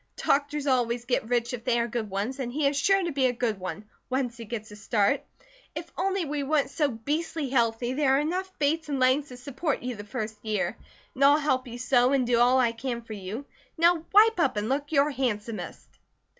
Doctors always get rich if they are good ones, and he is sure to be a good one, once he gets a start. If only we weren't so beastly healthy there are enough Bates and Langs to support you for the first year. And I'll help you sew, and do all I can for you. Now wipe up and look your handsomest!"